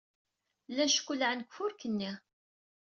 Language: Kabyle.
Llan ckellɛen deg ufurk-nni.